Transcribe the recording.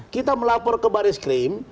kita melapor ke baris krim